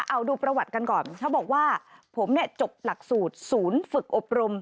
เอาดูประวัติกันก่อนเขาบอกว่าผมเนี่ยจบหลักสูตรศูนย์ฝึกอบรม